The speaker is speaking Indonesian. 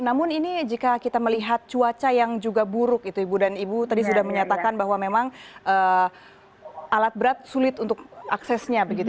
namun ini jika kita melihat cuaca yang juga buruk itu ibu dan ibu tadi sudah menyatakan bahwa memang alat berat sulit untuk aksesnya